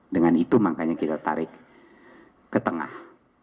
dengan itu makanya kita tarik ke tengah